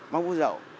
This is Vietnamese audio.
bác vũ dậu